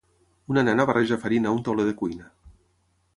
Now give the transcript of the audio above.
Una nena barreja farina a un tauler de cuina.